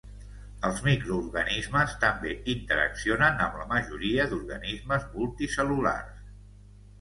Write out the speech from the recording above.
Els microorganismes també interaccionen amb la majoria d'organismes multicel·lulars.